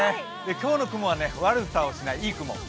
今日の雲は悪さをしない、いい雲。